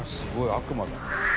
悪魔だ。